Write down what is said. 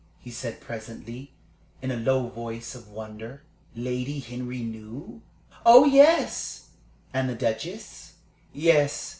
he said, presently, in a low voice of wonder. "Lady Henry knew?" "Oh yes!" "And the Duchess?" "Yes.